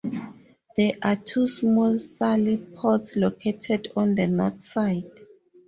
There are two small sally-ports located on the north side.